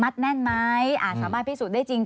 แน่นไหมอาจสามารถพิสูจน์ได้จริง